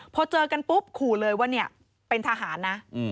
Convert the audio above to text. พอเจอกันปุ๊บขู่เลยว่าเนี่ยเป็นทหารนะ